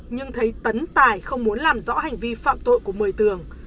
nhưng thấy tấn tài không muốn làm rõ hành vi phạm tội của một mươi tường